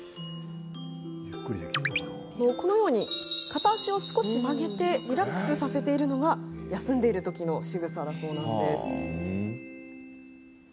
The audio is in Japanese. このように、片足を少し曲げてリラックスさせているのが休んでいるときのしぐさなんだそうです。